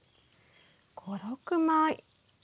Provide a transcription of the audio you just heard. ５６枚。